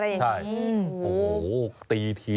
โอ้โฮโอ้โฮตีที